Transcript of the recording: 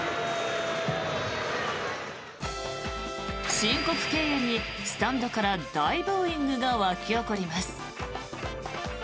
申告敬遠にスタンドから大ブーイングが沸き起こります。